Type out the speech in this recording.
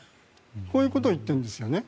こういうことを言っているんですよね。